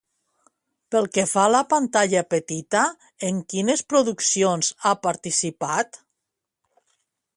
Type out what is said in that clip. Pel que fa a la pantalla petita, en quines produccions ha participat?